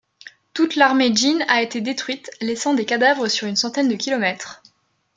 Toute l'armée Jin a été détruite, laissant des cadavres sur une centaine de kilomètres.